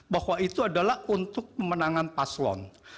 bahwa itu adalah untuk pemenangan paslon